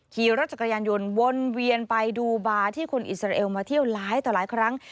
ขี่รถจักรยานยนต์วนเวียนไปดูบาร์ที่คนอิสราเอลมาเที่ยวหลายต่อหลายครั้ง